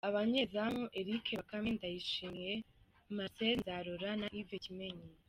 Abanyezamu: Eric ‘Bakame’ Ndayishimiye, Marcel Nzarora na Yves Kimenyi.